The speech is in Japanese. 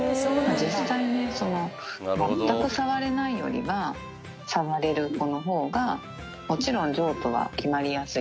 実際、全く触れないよりは触れる子のほうが、もちろん、譲渡は決まりやすい。